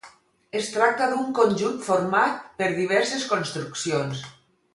Es tracta d'un conjunt format per diverses construccions.